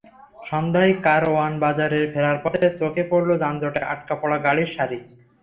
সন্ধ্যায় কারওয়ান বাজারে ফেরার পথে চোখে পড়ল যানজটে আটকা পড়া গাড়ির সারি।